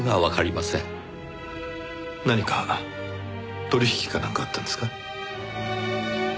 何か取引かなんかあったんですか？